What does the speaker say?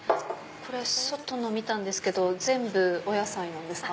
外の見たんですけど全部お野菜なんですか？